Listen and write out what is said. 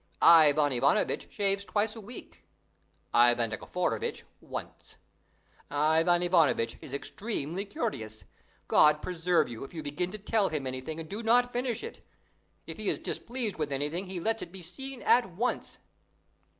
Ivan Ivanovitch shaves twice a week; Ivan Nikiforovitch once. Ivan Ivanovitch is extremely curious. God preserve you if you begin to tell him anything and do not finish it! If he is displeased with anything he lets it be seen at once.